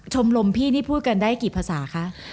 ชมรมพี่นี่พูดกันได้กี่ภาษาคะ